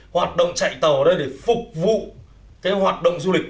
hoạt động chạy tàu ở đây để phục vụ cái hoạt động du lịch